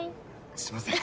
すいません。